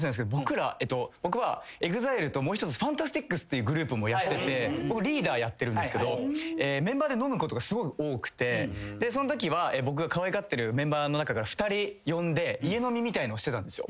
いうグループもやってて僕リーダーやってるんですけどメンバーで飲むことがすごい多くてそんときは僕がかわいがってるメンバーの中から２人呼んで家飲みみたいのをしてたんですよ。